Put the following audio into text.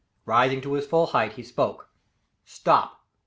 Rising to his full height, he spoke: "Stop!